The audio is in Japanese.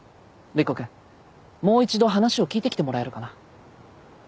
瑠衣子君もう一度話を聞いてきてもらえるかな？